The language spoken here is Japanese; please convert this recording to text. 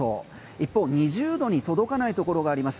一方２０度に届かないところがあります。